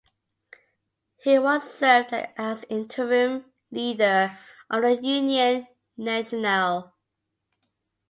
He once served as interim leader of the Union Nationale.